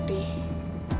sampai jumpa lagi